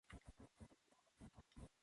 日本語はうんこだ